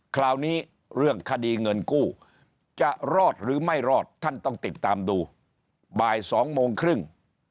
คราวนี้เรื่องคดีเงินกู้จะรอดหรือไม่รอดท่านต้องติดตามดูบ่าย๒โมงครึ่ง